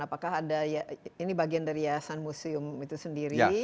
apakah ada ya ini bagian dari yayasan museum itu sendiri